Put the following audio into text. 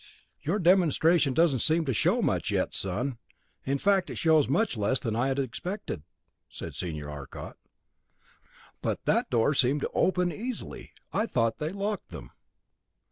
"Your demonstration doesn't seem to show much yet, son. In fact, it shows much less than I had expected," said the senior Arcot. "But that door seemed to open easily. I thought they locked them!"